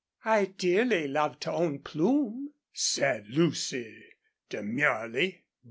"I'd dearly love to own Plume," said Lucy, demurely.